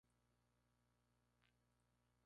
Autobiografías de historiadores hispanistas, Ed.